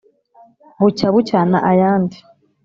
bucya bucyana aya ndi.